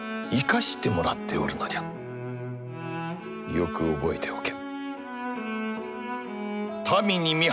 よく覚えておけ。